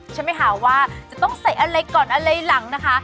ใช่ไหมคะว่าจะต้องใส่อะไรก่อนอะไรหลังนะคะ